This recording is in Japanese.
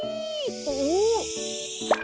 おっ？